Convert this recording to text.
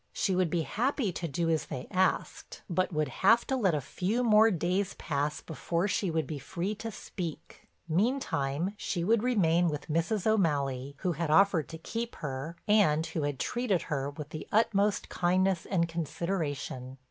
She would be happy to do as they asked, but would have to let a few more days pass before she would be free to speak. Meantime she would remain with Mrs. O'Malley, who had offered to keep her, and who had treated her with the utmost kindness and consideration.